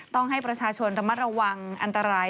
ต้องให้ประชาชนระมัดระวังอันตราย